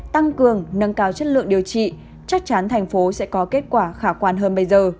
tăng cường nâng cao chất lượng điều trị chắc chắn thành phố sẽ có kết quả khả quan hơn bây giờ